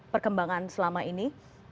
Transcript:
perkembangan selama ini